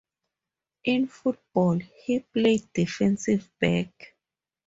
In football, he played defensive back.